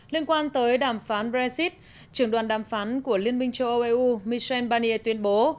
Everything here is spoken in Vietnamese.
liên quan tới đàm phán brexit trưởng đoàn đàm phán của liên minh châu âu eu michel barnier tuyên bố